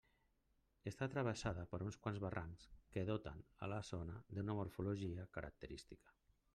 Està travessada per uns quants barrancs que doten a la zona d'una morfologia característica.